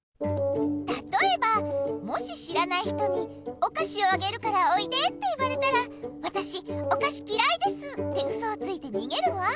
たとえばもし知らない人に「おかしをあげるからおいで」って言われたら「わたしおかしきらいです！」ってウソをついてにげるわ。